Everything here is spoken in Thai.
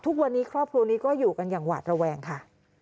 ครอบครัวนี้ครอบครัวนี้ก็อยู่กันอย่างหวาดระแวงค่ะ